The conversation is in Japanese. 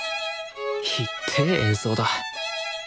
ひっでえ演奏だ。